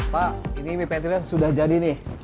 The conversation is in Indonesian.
pak ini mie pentil yang sudah jadi nih